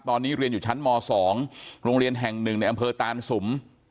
ตอนนี้เรียนอยู่ชั้นม๒โรงเรียนแห่ง๑ในอำเภอตานสุม